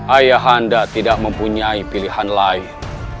ayah handa tidak mempunyai pilihan lain